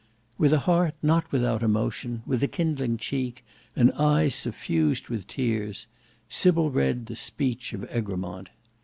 With a heart not without emotion; with a kindling cheek, and eyes suffused with tears, Sybil read the speech of Egremont.